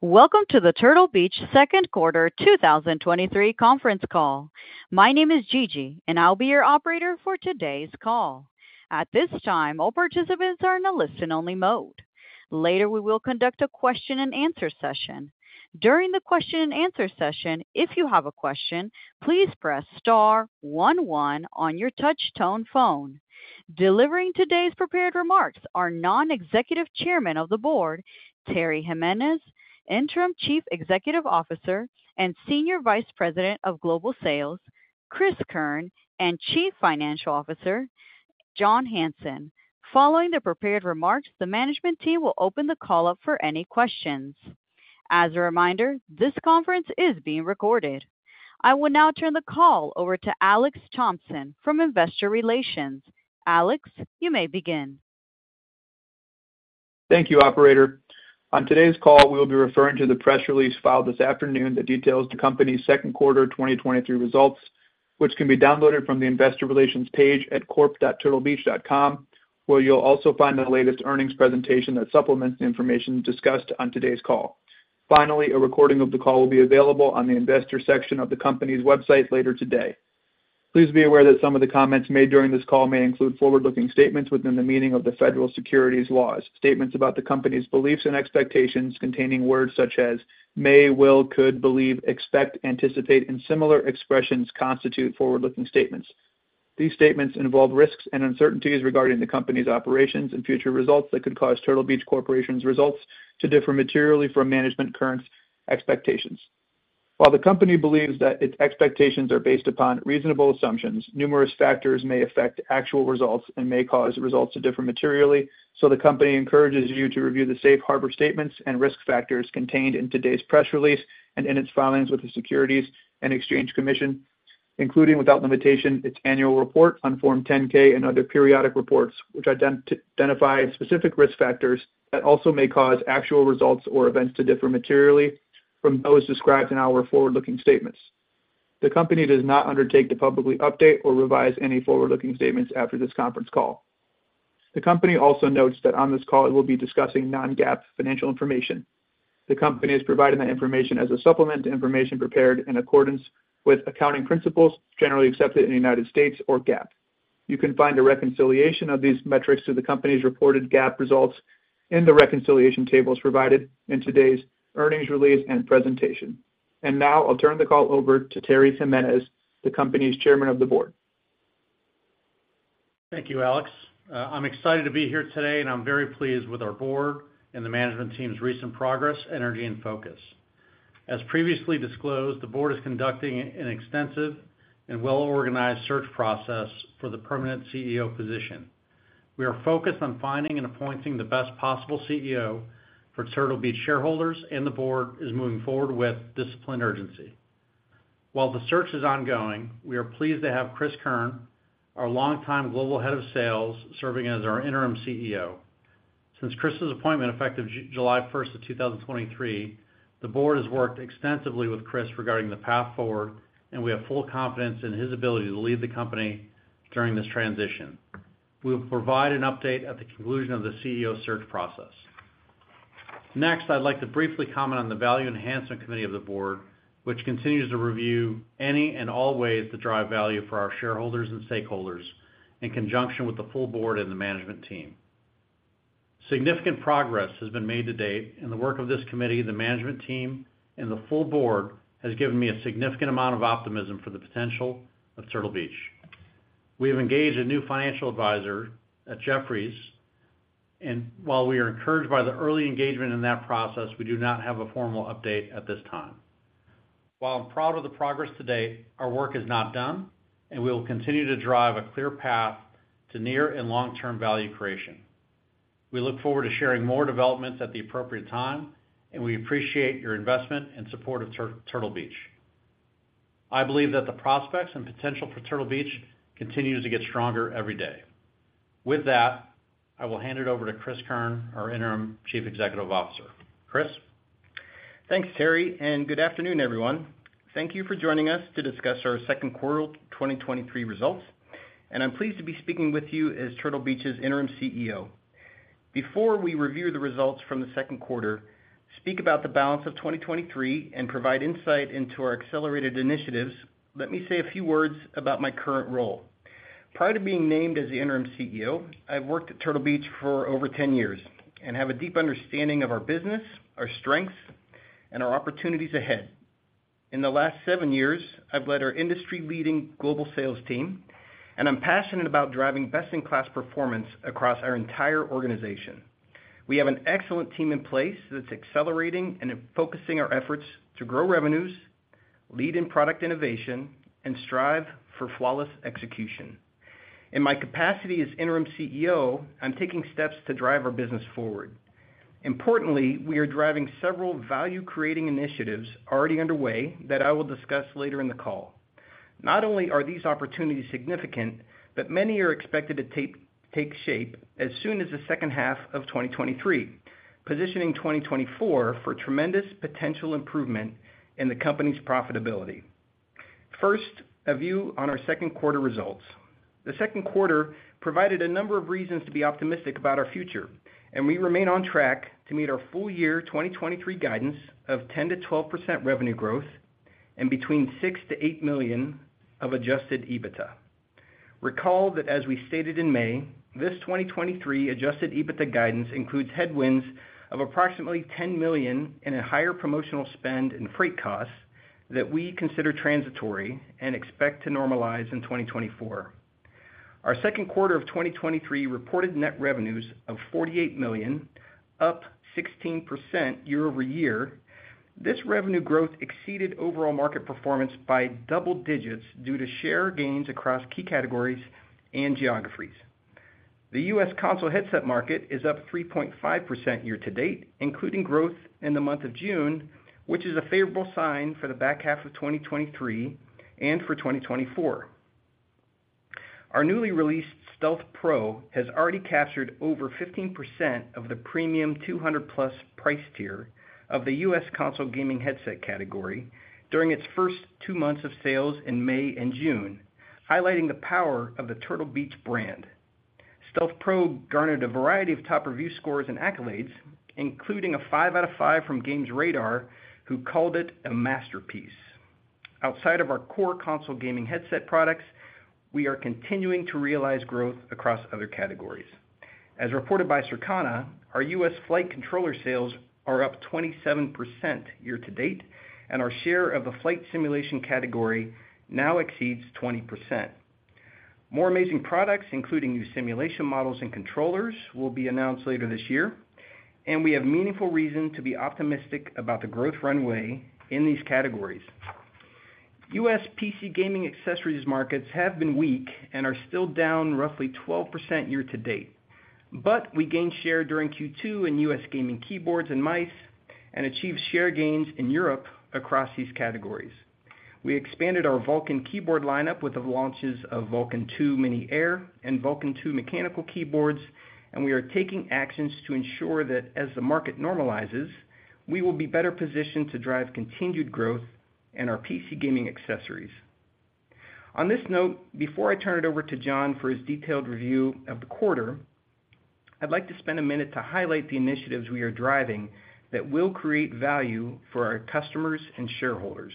Welcome to the Turtle Beach second quarter 2023 conference call. My name is Gigi, and I'll be your operator for today's call. At this time, all participants are in a listen-only mode. Later, we will conduct a question-and-answer session. During the question-and-answer session, if you have a question, please press star one one on your touch tone phone. Delivering today's prepared remarks are Non-Executive Chairman of the Board, Terry Jimenez, Interim Chief Executive Officer and Senior Vice President of Global Sales, Cris Keirn, and Chief Financial Officer, John Hanson. Following the prepared remarks, the management team will open the call up for any questions. As a reminder, this conference is being recorded. I will now turn the call over to Alex Thompson from Investor Relations. Alex, you may begin. Thank you, operator. On today's call, we will be referring to the press release filed this afternoon that details the company's second quarter 2023 results, which can be downloaded from the investor relations page at corp.turtlebeach.com, where you'll also find the latest earnings presentation that supplements the information discussed on today's call. Finally, a recording of the call will be available on the investor section of the company's website later today. Please be aware that some of the comments made during this call may include forward-looking statements within the meaning of the federal securities laws. Statements about the company's beliefs and expectations containing words such as may, will, could, believe, expect, anticipate, and similar expressions constitute forward-looking statements. These statements involve risks and uncertainties regarding the company's operations and future results that could cause Turtle Beach Corporation's results to differ materially from management current expectations. While the company believes that its expectations are based upon reasonable assumptions, numerous factors may affect actual results and may cause results to differ materially, the company encourages you to review the safe harbor statements and risk factors contained in today's press release and in its filings with the Securities and Exchange Commission, including, without limitation, its annual report on Form 10-K and other periodic reports, which identify specific risk factors that also may cause actual results or events to differ materially from those described in our forward-looking statements. The company does not undertake to publicly update or revise any forward-looking statements after this conference call. The company also notes that on this call, it will be discussing non-GAAP financial information. The company is providing that information as a supplement to information prepared in accordance with accounting principles generally accepted in the United States or GAAP. You can find a reconciliation of these metrics to the company's reported GAAP results in the reconciliation tables provided in today's earnings release and presentation. Now I'll turn the call over to Terry Jimenez, the company's chairman of the board. Thank you, Alex Thompson. I'm excited to be here today, and I'm very pleased with our board and the management team's recent progress, energy, and focus. As previously disclosed, the board is conducting an extensive and well-organized search process for the permanent CEO position. We are focused on finding and appointing the best possible CEO for Turtle Beach shareholders, and the board is moving forward with disciplined urgency. While the search is ongoing, we are pleased to have Cris Keirn, our longtime global head of sales, serving as our interim CEO. Since Cris's appointment, effective July 1, 2023, the board has worked extensively with Cris regarding the path forward, and we have full confidence in his ability to lead the company during this transition. We will provide an update at the conclusion of the CEO search process. Next, I'd like to briefly comment on the Value Enhancement Committee of the board, which continues to review any and all ways to drive value for our shareholders and stakeholders in conjunction with the full board and the management team. Significant progress has been made to date in the work of this committee. The management team and the full board has given me a significant amount of optimism for the potential of Turtle Beach. We have engaged a new financial advisor at Jefferies, and while we are encouraged by the early engagement in that process, we do not have a formal update at this time. While I'm proud of the progress to date, our work is not done, and we will continue to drive a clear path to near and long-term value creation. We look forward to sharing more developments at the appropriate time. We appreciate your investment and support of Turtle Beach. I believe that the prospects and potential for Turtle Beach continues to get stronger every day. With that, I will hand it over to Cris Keirn, our Interim Chief Executive Officer. Cris? Thanks, Terry, and good afternoon, everyone. Thank you for joining us to discuss our second quarter of 2023 results, and I'm pleased to be speaking with you as Turtle Beach's Interim CEO. Before we review the results from the second quarter, speak about the balance of 2023, and provide insight into our accelerated initiatives, let me say a few words about my current role. Prior to being named as the Interim CEO, I've worked at Turtle Beach for over 10 years and have a deep understanding of our business, our strengths, and our opportunities ahead. In the last seven years, I've led our industry-leading global sales team, and I'm passionate about driving best-in-class performance across our entire organization. We have an excellent team in place that's accelerating and focusing our efforts to grow revenues, lead in product innovation, and strive for flawless execution. In my capacity as Interim CEO, I'm taking steps to drive our business forward. Importantly, we are driving several value-creating initiatives already underway that I will discuss later in the call. Not only are these opportunities significant, but many are expected to take shape as soon as the second half of 2023, positioning 2024 for tremendous potential improvement in the company's profitability. First, a view on our second quarter results. The second quarter provided a number of reasons to be optimistic about our future, and we remain on track to meet our full year 2023 guidance of 10%-12% revenue growth and between $6 million-$8 million of adjusted EBITDA. Recall that as we stated in May, this 2023 adjusted EBITDA guidance includes headwinds of approximately $10 million in a higher promotional spend and freight costs that we consider transitory and expect to normalize in 2024. Our second quarter of 2023 reported net revenues of $48 million, up 16% year-over-year. This revenue growth exceeded overall market performance by double digits due to share gains across key categories and geographies. The US console headset market is up 3.5% year to date, including growth in the month of June, which is a favorable sign for the back half of 2023 and for 2024. Our newly released Stealth Pro has already captured over 15% of the premium $200+ price tier of the US console gaming headset category during its first two months of sales in May and June, highlighting the power of the Turtle Beach brand. Stealth Pro garnered a variety of top review scores and accolades, including a five out of five from GamesRadar+, who called it a masterpiece. Outside of our core console gaming headset products, we are continuing to realize growth across other categories. As reported by Circana, our US flight controller sales are up 27% year to date, and our share of the flight simulation category now exceeds 20%. More amazing products, including new simulation models and controllers, will be announced later this year, and we have meaningful reason to be optimistic about the growth runway in these categories. US PC gaming accessories markets have been weak and are still down roughly 12% year to date, but we gained share during Q2 in US gaming keyboards and mice and achieved share gains in Europe across these categories. We expanded our Vulcan keyboard lineup with the launches of Vulcan II Mini Air and Vulcan II mechanical keyboards, and we are taking actions to ensure that as the market normalizes, we will be better positioned to drive continued growth in our PC gaming accessories. On this note, before I turn it over to John for his detailed review of the quarter, I'd like to spend a minute to highlight the initiatives we are driving that will create value for our customers and shareholders.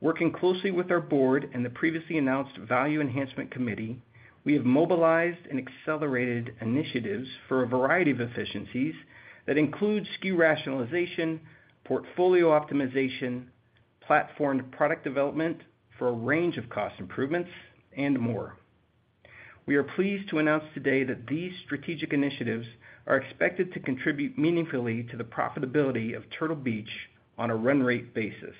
Working closely with our board and the previously announced Value Enhancement Committee, we have mobilized and accelerated initiatives for a variety of efficiencies that include SKU rationalization, portfolio optimization, platform product development for a range of cost improvements, and more. We are pleased to announce today that these strategic initiatives are expected to contribute meaningfully to the profitability of Turtle Beach on a run rate basis.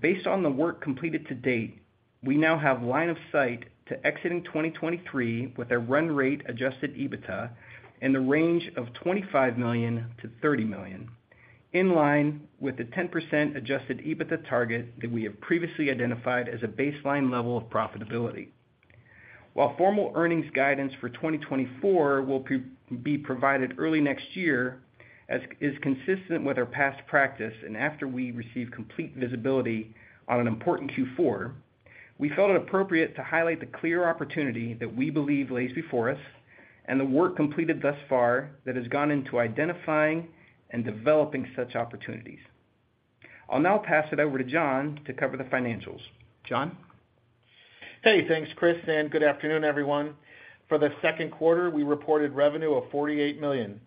Based on the work completed to date, we now have line of sight to exiting 2023 with a run rate adjusted EBITDA in the range of $25 million-$30 million, in line with the 10% adjusted EBITDA target that we have previously identified as a baseline level of profitability. While formal earnings guidance for 2024 will be provided early next year, as is consistent with our past practice, and after we receive complete visibility on an important Q4, we felt it appropriate to highlight the clear opportunity that we believe lays before us and the work completed thus far that has gone into identifying and developing such opportunities. I'll now pass it over to John to cover the financials. John? Hey, thanks, Cris, and good afternoon, everyone. For the second quarter, we reported revenue of $48 million,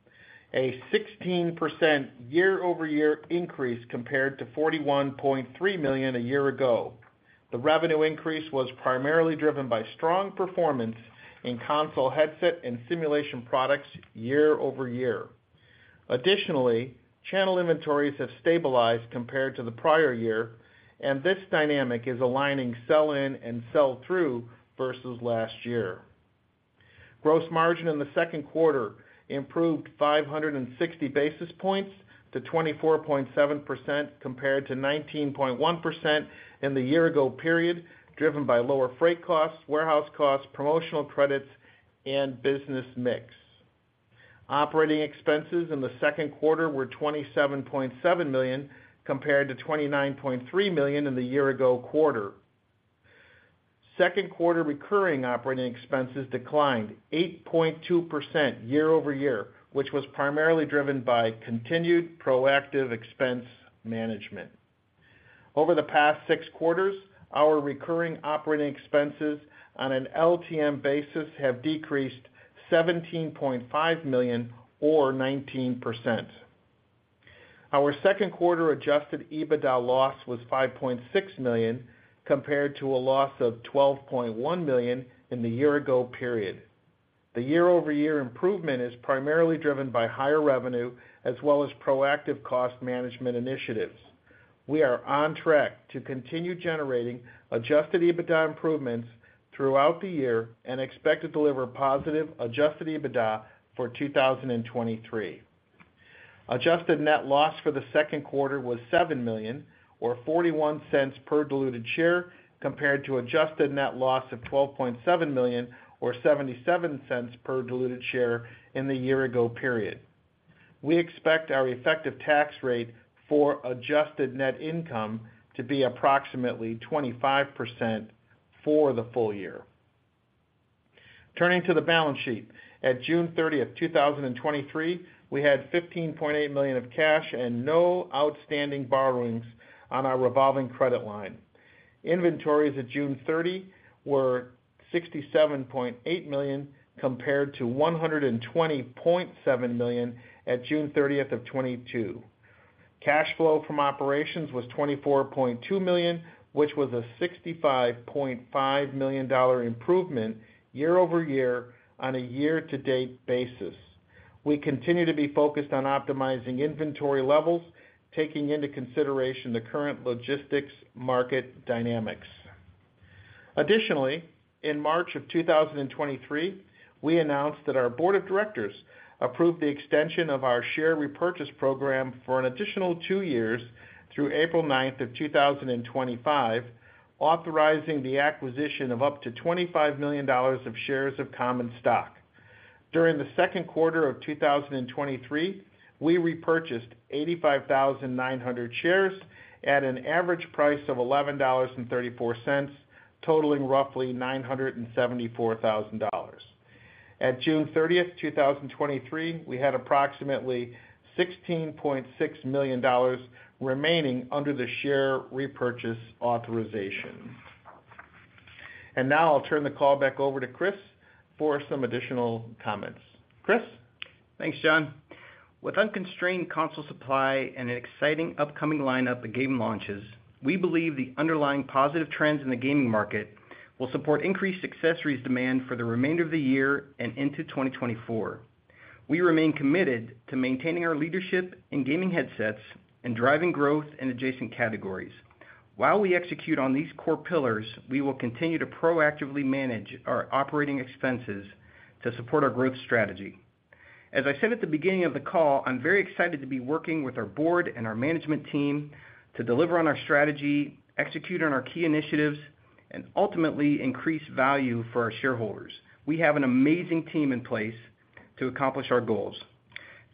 a 16% year-over-year increase compared to $41.3 million a year ago. The revenue increase was primarily driven by strong performance in console, headset, and simulation products year-over-year. Additionally, channel inventories have stabilized compared to the prior year, and this dynamic is aligning sell-in and sell-through versus last year. Gross margin in the second quarter improved 560 basis points to 24.7%, compared to 19.1% in the year ago period, driven by lower freight costs, warehouse costs, promotional credits, and business mix. Operating expenses in the second quarter were $27.7 million, compared to $29.3 million in the year ago quarter. Second quarter recurring operating expenses declined 8.2% year-over-year, which was primarily driven by continued proactive expense management. Over the past six quarters, our recurring operating expenses on an LTM basis have decreased $17.5 million or 19%. Our second quarter adjusted EBITDA loss was $5.6 million, compared to a loss of $12.1 million in the year-ago period. The year-over-year improvement is primarily driven by higher revenue as well as proactive cost management initiatives. We are on track to continue generating adjusted EBITDA improvements throughout the year and expect to deliver positive adjusted EBITDA for 2023. Adjusted net loss for the second quarter was $7 million or $0.41 per diluted share, compared to adjusted net loss of $12.7 million or $0.77 per diluted share in the year-ago period. We expect our effective tax rate for adjusted net income to be approximately 25% for the full year. Turning to the balance sheet. At June 30th, 2023, we had $15.8 million of cash and no outstanding borrowings on our revolving credit line. Inventories at June 30 were $67.8 million, compared to $120.7 million at June 30th of 2022. Cash flow from operations was $24.2 million, which was a $65.5 million improvement year-over-year on a year-to-date basis. We continue to be focused on optimizing inventory levels, taking into consideration the current logistics market dynamics. Additionally, in March 2023, we announced that our board of directors approved the extension of our share repurchase program for an additional two years through April 9, 2025, authorizing the acquisition of up to $25 million of shares of common stock. During the second quarter of 2023, we repurchased 85,900 shares at an average price of $11.34, totaling roughly $974 thousand. At June 30, 2023, we had approximately $16.6 million remaining under the share repurchase authorization. Now I'll turn the call back over to Cris for some additional comments. Cris? Thanks, John. With unconstrained console supply and an exciting upcoming lineup of game launches, we believe the underlying positive trends in the gaming market will support increased accessories demand for the remainder of the year and into 2024. We remain committed to maintaining our leadership in gaming headsets and driving growth in adjacent categories. While we execute on these core pillars, we will continue to proactively manage our operating expenses to support our growth strategy. As I said at the beginning of the call, I'm very excited to be working with our board and our management team to deliver on our strategy, execute on our key initiatives, and ultimately increase value for our shareholders. We have an amazing team in place to accomplish our goals.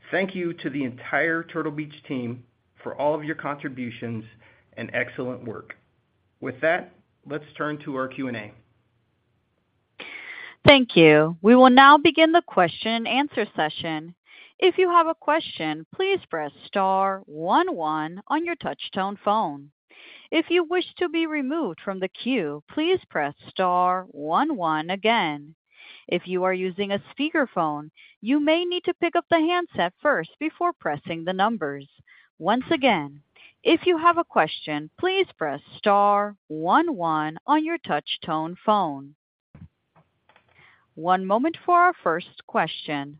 Thank you to the entire Turtle Beach team for all of your contributions and excellent work. With that, let's turn to our Q&A. Thank you. We will now begin the question and answer session. If you have a question, please press star one one on your touch tone phone. If you wish to be removed from the queue, please press star one one again. If you are using a speakerphone, you may need to pick up the handset first before pressing the numbers. Once again, if you have a question, please press star one one on your touch tone phone. One moment for our first question.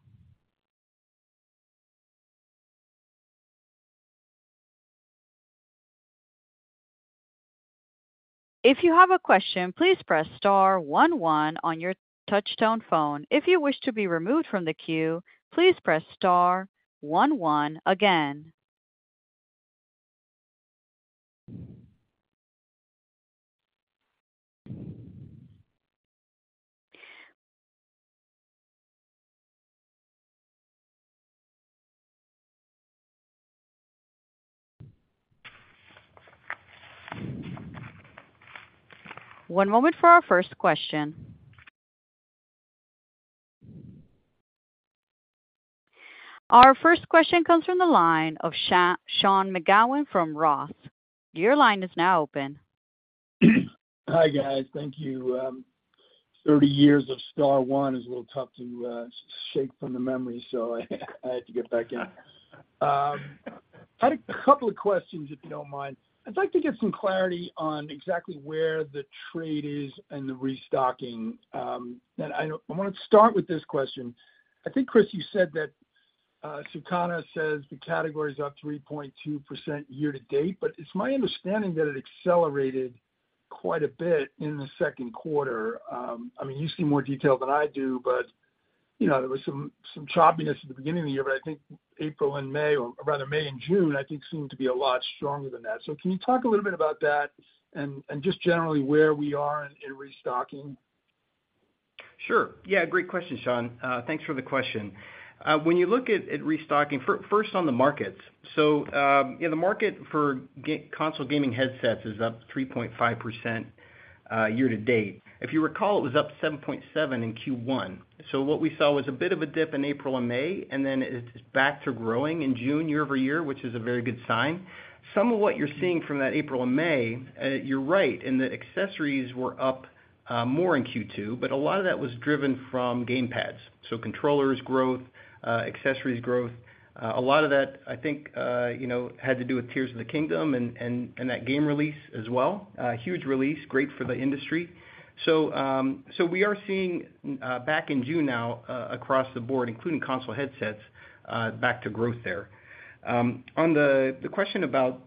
If you have a question, please press star one one on your touch tone phone. If you wish to be removed from the queue, please press star one one again. One moment for our first question. Our first question comes from the line of Sean McGowan from Roth. Your line is now open. Hi, guys. Thank you. 30 years of star one is a little tough to shake from the memory, so I had to get back in. Had a couple of questions, if you don't mind. I'd like to get some clarity on exactly where the trade is and the restocking. I, I want to start with this question: I think, Cris, you said that Circana says the category is up 3.2% year-to-date, but it's my understanding that it accelerated quite a bit in the second quarter. I mean, you see more detail than I do, but, you know, there was some, some choppiness at the beginning of the year, but I think April and May, or rather May and June, I think, seemed to be a lot stronger than that. Can you talk a little bit about that and, and just generally where we are in, in restocking? Sure. Yeah, great question, Sean. Thanks for the question. When you look at, at restocking, first on the markets. You know, the market for console gaming headsets is up 3.5% year to date. If you recall, it was up 7.7% in Q1. What we saw was a bit of a dip in April and May, and then it's back to growing in June year-over-year, which is a very good sign. Some of what you're seeing from that April and May, you're right, in that accessories were up more in Q2, but a lot of that was driven from game pads. Controllers growth, accessories growth. A lot of that, I think, you know, had to do with Tears of the Kingdom and that game release as well. A huge release, great for the industry. We are seeing, back in June now, across the board, including console headsets, back to growth there. On the question about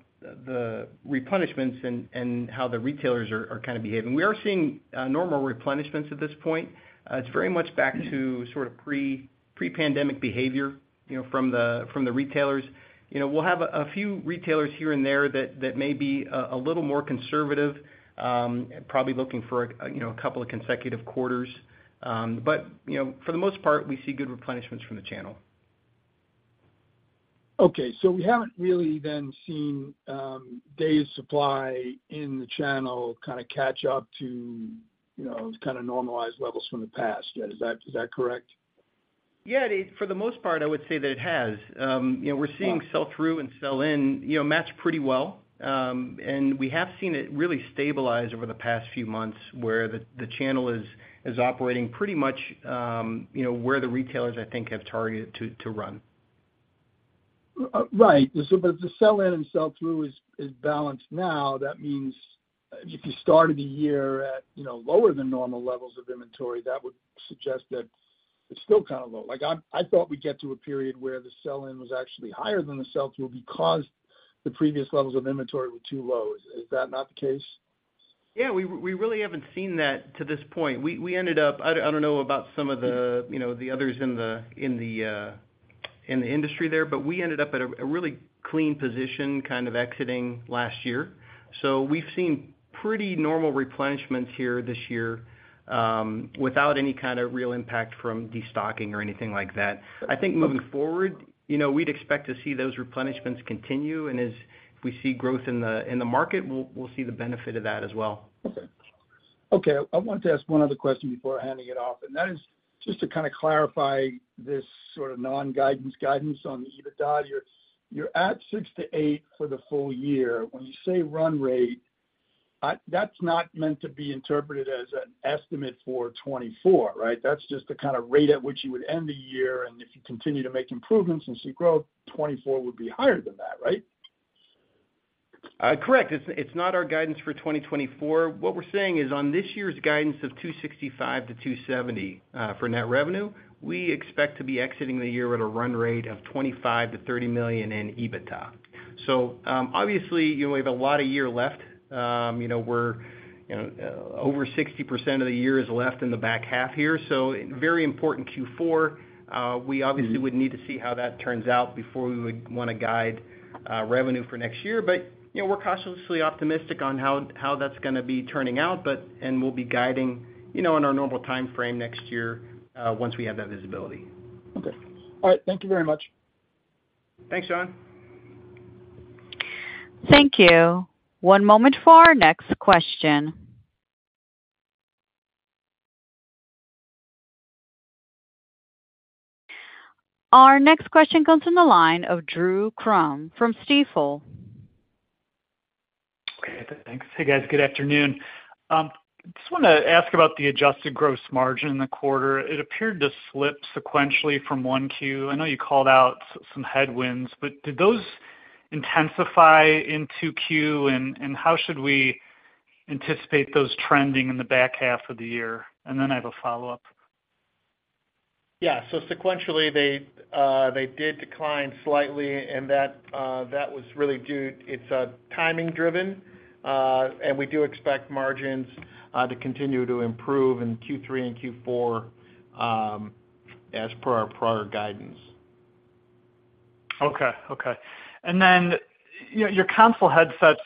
the replenishments and how the retailers are kind of behaving. We are seeing normal replenishments at this point. It's very much back to sort of pre-pandemic behavior, you know, from the retailers. You know, we'll have a few retailers here and there that may be a little more conservative, probably looking for, you know, a couple of consecutive quarters. You know, for the most part, we see good replenishments from the channel. Okay, we haven't really then seen, days supply in the channel kind of catch up to, you know, to kind of normalize levels from the past. Yeah, is that, is that correct? Yeah, it is. For the most part, I would say that it has. you know, we're seeing sell-through and sell-in, you know, match pretty well. We have seen it really stabilize over the past few months, where the, the channel is, is operating pretty much, you know, where the retailers, I think, have targeted to, to run. Right. The sell-in and sell-through is, is balanced now. That means if you started the year at, you know, lower than normal levels of inventory, that would suggest that it's still kind of low. Like, I, I thought we'd get to a period where the sell-in was actually higher than the sell-through because the previous levels of inventory were too low. Is, is that not the case? Yeah, we, we really haven't seen that to this point. We, we ended up, I don't know about some of the, you know, the others in the, in the industry there, but we ended up at a, a really clean position, kind of exiting last year. We've seen pretty normal replenishments here this year, without any kind of real impact from destocking or anything like that. I think moving forward, you know, we'd expect to see those replenishments continue, and as we see growth in the, in the market, we'll, we'll see the benefit of that as well. Okay. Okay, I want to ask one other question before handing it off, and that is just to kind of clarify this sort of non-guidance guidance on the EBITDA. You're, you're at $6 million-$8 million for the full year. When you say run rate, I that's not meant to be interpreted as an estimate for 2024, right? That's just the kind of rate at which you would end the year, and if you continue to make improvements and see growth, 2024 would be higher than that, right? Correct. It's not our guidance for 2024. What we're saying is, on this year's guidance of $265-$270 for net revenue, we expect to be exiting the year at a run rate of $25 million-$30 million in EBITDA. Obviously, you know, we have a lot of year left. You know, we're over 60% of the year is left in the back half here, so very important Q4. We obviously would need to see how that turns out before we would wanna guide revenue for next year. You know, we're cautiously optimistic on how that's gonna be turning out, and we'll be guiding, you know, in our normal timeframe next year, once we have that visibility. Okay. All right, thank you very much. Thanks, John. Thank you. One moment for our next question. Our next question comes from the line of Drew Crum from Stifel. Okay, thanks. Hey, guys, good afternoon. Just wanna ask about the adjusted gross margin in the quarter. It appeared to slip sequentially from 1Q. I know you called out some headwinds, but did those intensify in 2Q, and how should we anticipate those trending in the back half of the year? Then I have a follow-up. Yeah. Sequentially, they, they did decline slightly, and that, that was really due. It's timing driven. We do expect margins to continue to improve in Q3 and Q4, as per our prior guidance. Okay, okay. Then, your console headsets,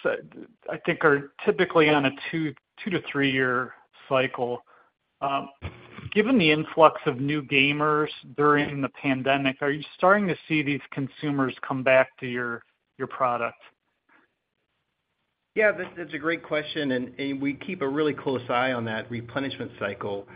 I think, are typically on a two to three-year cycle. Given the influx of new gamers during the pandemic, are you starting to see these consumers come back to your, your product? Yeah, that's, that's a great question, and, and we keep a really close eye on that replenishment cycle.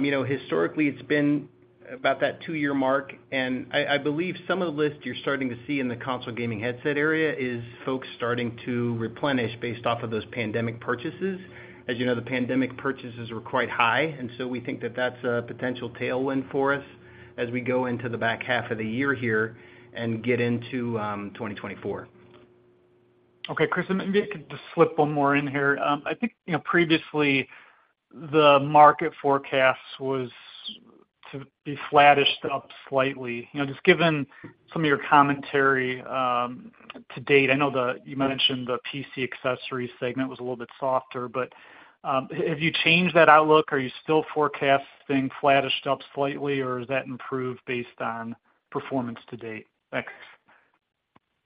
You know, historically, it's been about that two-year mark, and I, I believe some of the list you're starting to see in the console gaming headset area is folks starting to replenish based off of those pandemic purchases. As you know, the pandemic purchases were quite high, and so we think that that's a potential tailwind for us as we go into the back half of the year here and get into 2024. Okay, Cris, maybe I could just slip one more in here. I think, you know, previously, the market forecast was to be flattish up slightly. You know, just given some of your commentary, to date, I know you mentioned the PC accessory segment was a little bit softer, but, have you changed that outlook? Are you still forecasting flattish up slightly, or has that improved based on performance to date? Thanks.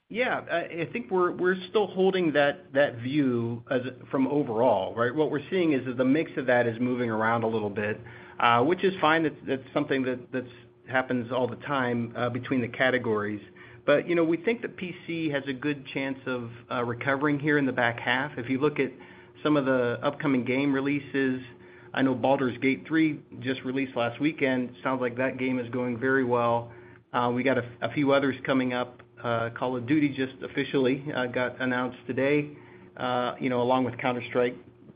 Yeah. I think we're, we're still holding that, that view as from overall, right? What we're seeing is that the mix of that is moving around a little bit, which is fine. It's- that's something that, that's happens all the time, between the categories. You know, we think that PC has a good chance of recovering here in the back half. If you look at some of the upcoming game releases, I know Baldur's Gate 3 just released last weekend. Sounds like that game is going very well. We got a, a few others coming up. Call of Duty just officially got announced today, you know, along with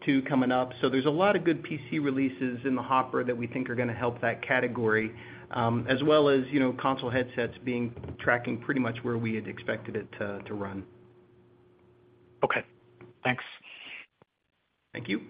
Counter-Strike 2 coming up. There's a lot of good PC releases in the hopper that we think are gonna help that category, as well as, you know, console headsets being tracking pretty much where we had expected it to, to run. Okay. Thanks. Thank you.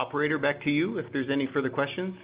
Operator, back to you, if there's any further questions.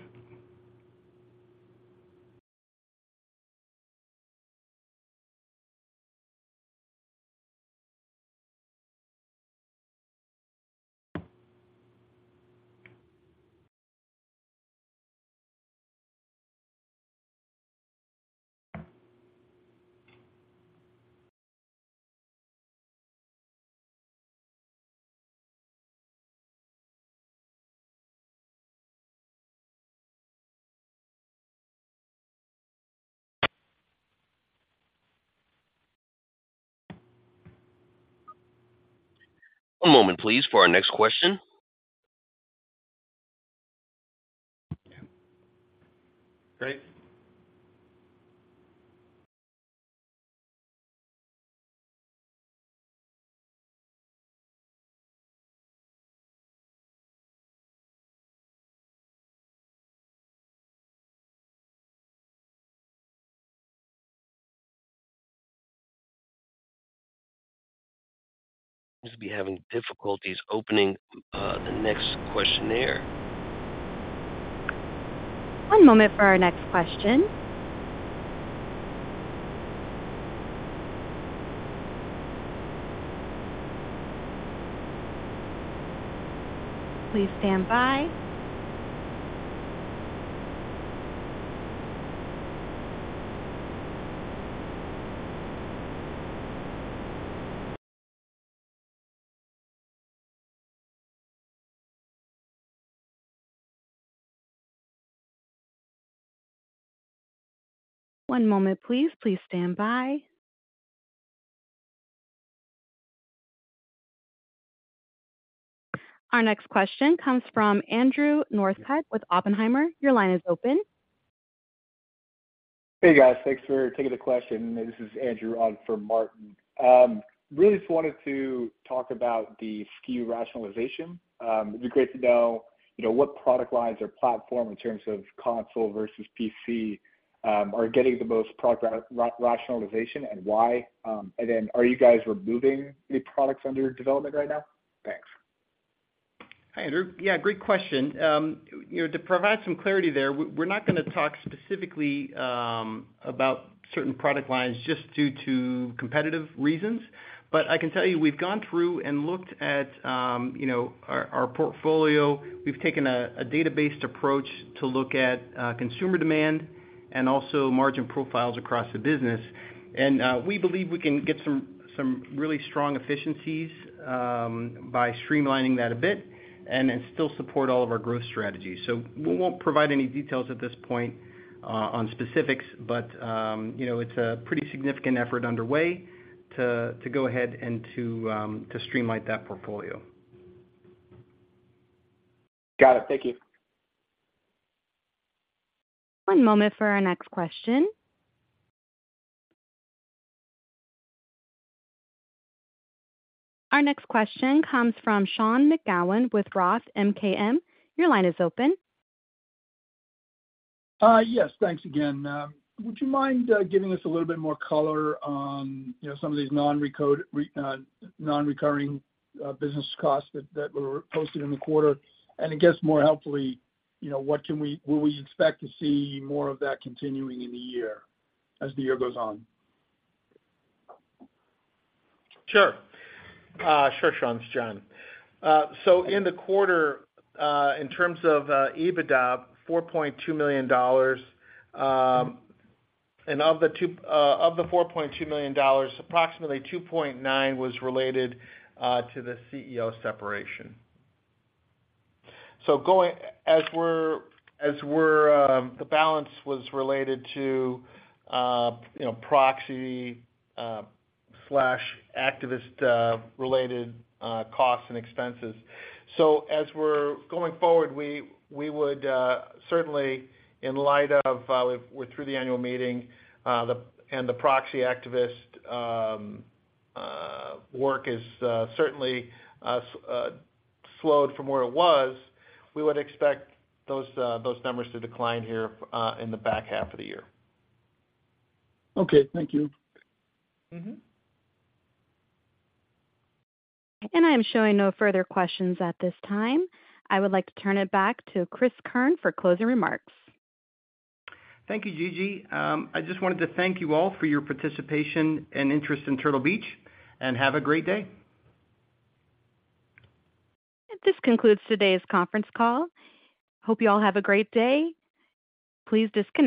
One moment, please, for our next question. Great. Seem to be having difficulties opening, the next question there. One moment for our next question. Please stand by. One moment, please. Please stand by. Our next question comes from Andrew Northcutt with Oppenheimer. Your line is open. Hey, guys. Thanks for taking the question. This is Andrew on for Martin. really just wanted to talk about the SKU rationalization. it'd be great to know, you know, what product lines or platform in terms of console versus PC are getting the most rationalization and why? Are you guys removing any products under development right now? Thanks. Hi, Andrew. Yeah, great question. You know, to provide some clarity there, we're not gonna talk specifically about certain product lines just due to competitive reasons. I can tell you we've gone through and looked at, you know, our portfolio. We've taken a data-based approach to look at consumer demand and also margin profiles across the business. We believe we can get some really strong efficiencies by streamlining that a bit and then still support all of our growth strategies. We won't provide any details at this point on specifics, but, you know, it's a pretty significant effort underway to go ahead and to streamline that portfolio. Got it. Thank you. One moment for our next question. Our next question comes from Sean McGowan with Roth MKM. Your line is open. Yes, thanks again. Would you mind giving us a little bit more color on, you know, some of these non-recurring business costs that were posted in the quarter? I guess, more helpfully, you know, what will we expect to see more of that continuing in the year as the year goes on? Sure. Sure, Sean, it's John. In the quarter, in terms of EBITDA, $4.2 million, and of the $4.2 million, approximately $2.9 was related to the CEO separation. The balance was related to, you know, proxy slash activist related costs and expenses. As we're going forward, we would certainly in light of, we're through the annual meeting, the, and the proxy activist work is certainly slowed from where it was, we would expect those numbers to decline here in the back half of the year. Okay, thank you. Mm-hmm. I'm showing no further questions at this time. I would like to turn it back to Cris Keirn for closing remarks. Thank you, Gigi. I just wanted to thank you all for your participation and interest in Turtle Beach, and have a great day. This concludes today's conference call. Hope you all have a great day. Please disconnect.